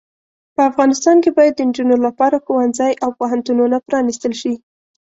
په افغانستان کې باید د انجونو لپاره ښوونځې او پوهنتونونه پرانستل شې.